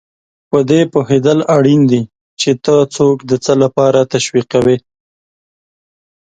په دې پوهېدل اړین دي چې ته څوک د څه لپاره تشویقوې.